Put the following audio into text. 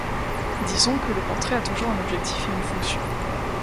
Disons donc que le portrait a toujours un objectif et une fonction.